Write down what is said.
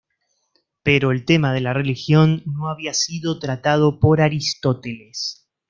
Pero el tema de la religión no había sido tratado por Aristóteles.